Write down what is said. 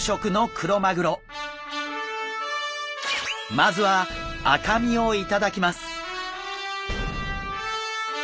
まずは赤身を頂きます。